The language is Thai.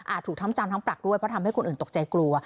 ถูกทั้งจำทั้งปรักด้วยเพราะทำให้คนอื่นตกใจกลัว